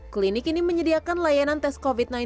klinik ini menyediakan layanan tes covid sembilan belas